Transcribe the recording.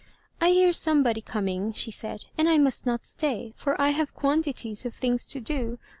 " I hear somebody ooming," she said, " and I must not stay, for I have quantities of things to do.